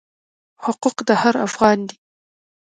حقوق د هر افغان دی.